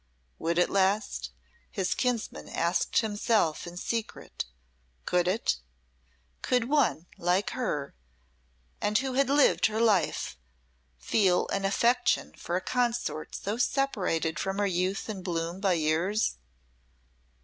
Would it last? his kinsman asked himself in secret, could it? Could one, like her, and who had lived her life, feel an affection for a consort so separated from her youth and bloom by years?